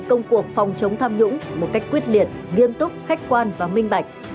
công cuộc phòng chống tham nhũng một cách quyết liệt nghiêm túc khách quan và minh bạch